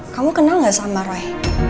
kamu kenal gak sama rai